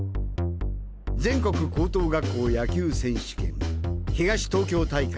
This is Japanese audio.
全国高等学校野球選手権東東京大会